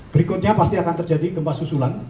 berikutnya pasti akan terjadi gempa susulan